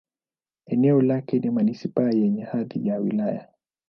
Eneo lake ni manisipaa yenye hadhi ya wilaya.